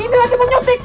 ini lagi menyuntik